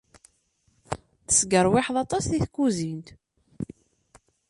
Tesgerwiḥeḍ aṭas di tkuzint.